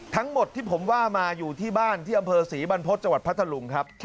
ทั้งหมดที่ผมว่ามาอยู่ที่บ้านที่อำเภอศรีบรรพฤษจังหวัดพัทธลุงครับ